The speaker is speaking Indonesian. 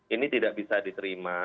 ini tidak bisa diterima